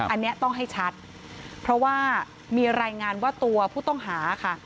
อันนี้ต้องให้ชัดเพราะว่ามีรายงานว่าตัวผู้ต้องหาค่ะ